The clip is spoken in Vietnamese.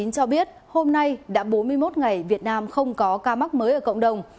cho biết hôm nay đã bốn mươi một ngày việt nam không có ca mắc mới ở cộng đồng